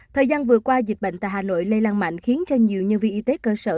thời gian vừa qua dịch bệnh tại hà nội lây lan mạnh khiến cho nhiều nhân viên y tế cơ sở